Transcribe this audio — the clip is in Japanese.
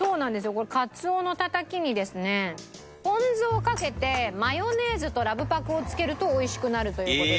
これカツオのタタキにですねポン酢をかけてマヨネーズとラブパクをつけるとおいしくなるという事で。